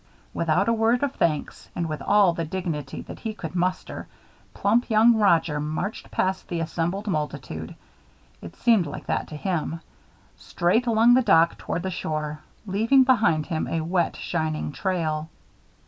Without a word of thanks, and with all the dignity that he could muster, plump young Roger marched past the assembled multitude it seemed like that to him straight along the dock toward the shore, leaving behind him a wet, shining trail.